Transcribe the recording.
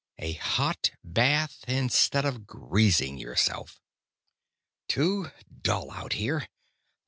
A hot bath, instead of greasing yourself! "Too dull out here.